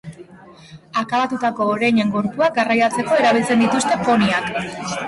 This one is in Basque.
Akabatutako oreinen gorpuak garraiatzeko erabiltzen dituzte poniak.